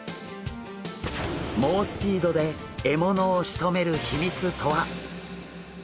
猛スピードで獲物をしとめる秘密とは？